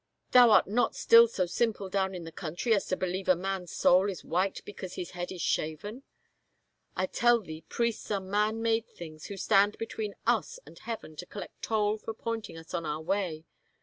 Thou art not still so simple down in the country as to believe a man's soul is white because his head is shaven? I tell thee priests are man made things who stand between us and heaven to collect toll for pointing us on our way.